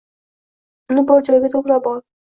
Uni bir joyga toʻplab ol.